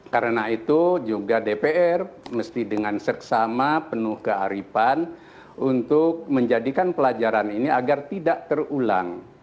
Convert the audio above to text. karena itu juga dpr mesti dengan seksama penuh kearipan untuk menjadikan pelajaran ini agar tidak terulang